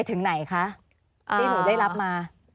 ที่หนูได้รับมา